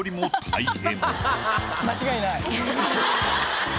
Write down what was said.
間違いない。